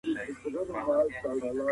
زه به د سبا لپاره د نوټونو تنظيم کړی وي.